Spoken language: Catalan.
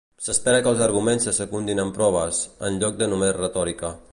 S'espera que els arguments se secundin amb proves, en lloc de només retòrica.